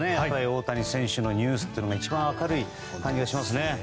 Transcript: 大谷選手のニュースが一番明るい感じがしますね。